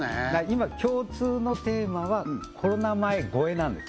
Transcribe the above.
今共通のテーマはコロナ前超えなんです